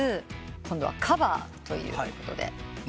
今度はカバーということで。